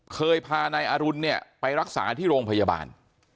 เคยพานายอรุณเนี่ยไปรักษาที่โรงพยาบาล